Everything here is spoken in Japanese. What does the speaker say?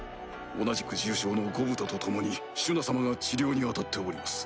同じく重傷のゴブタとともにシュナ様が治療に当たっております。